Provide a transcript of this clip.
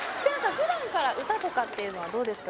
普段から歌とかっていうのはどうですか？